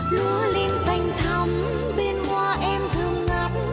lúa lên xanh thắm bên hoa em thương ngắp